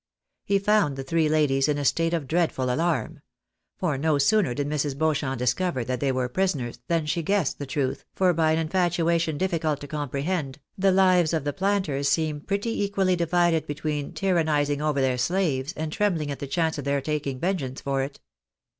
He found the three ladies in a state of dreadful alarm ; for no sooner did INIrs. Beauchamp discover that they were prisoners, than she guessed the truth, for by an infatuation difficult to comprehend, the lives of the planters seem pretty equally divided between tyrannising over their slaves, and trembling at the chance of their taking vengeance for it.